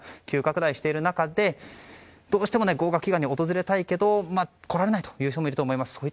急拡大している中でどうしても合格祈願に訪れたいけど来られない人もいると思います。